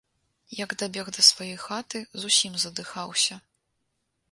Як дабег да сваёй хаты, зусім задыхаўся.